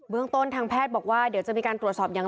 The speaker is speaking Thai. เมืองต้นทางแพทย์บอกว่าเดี๋ยวจะมีการตรวจสอบอย่าง